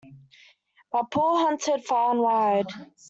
But Paul hunted far and wide.